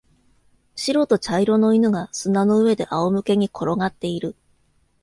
白と茶色の犬が砂の上で仰向けに転がっている。